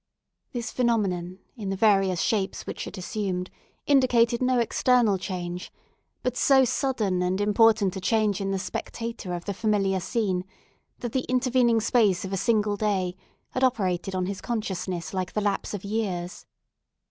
This phenomenon, in the various shapes which it assumed, indicated no external change, but so sudden and important a change in the spectator of the familiar scene, that the intervening space of a single day had operated on his consciousness like the lapse of years.